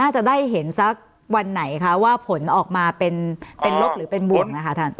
จะได้เห็นสักวันไหนคะว่าผลออกมาเป็นลบหรือเป็นบวกนะคะท่าน